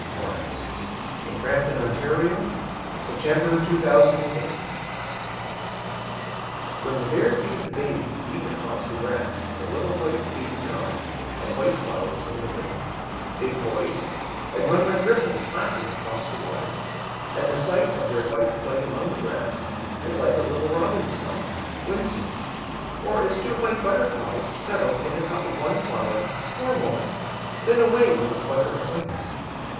H. Lawrence (1885–1930). Amores. 1916. 14. A Baby Running Barefoot WHEN the bare feet of the baby beat across the grassThe little white feet nod like white flowers in the wind, They poise and run like ripples lapping across the water; And the sight of their white play among the grassIs like a little robin's song, winsome, Or as two white butterflies settle in the cup of one flowerFor a moment, then away with a flutter of wings.